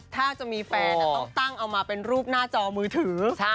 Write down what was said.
ถ้าจะมีแฟนต้องตั้งเอามาเป็นรูปหน้าจอมือถือ